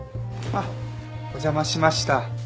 あっお邪魔しました。